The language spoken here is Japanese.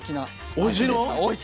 おいしいの？